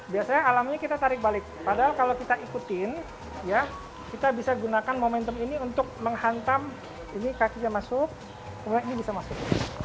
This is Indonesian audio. biasanya alamnya kita tarik balik padahal kalau kita ikutin ya kita bisa gunakan momentum ini untuk menghantam ini kakinya masuk kemudian ini bisa masuk